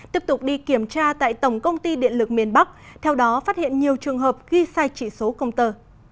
tiếp tục đi kiểm tra tại tổng công ty điện lực miền bắc theo đó phát hiện nhiều trường hợp ghi sai chỉ số công tờ